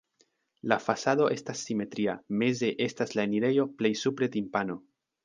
La fasado estas simetria, meze estas la enirejo, plej supre timpano.